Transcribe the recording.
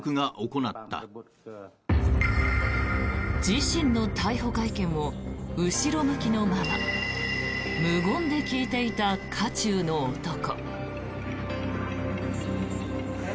自身の逮捕会見を後ろ向きのまま無言で聞いていた渦中の男。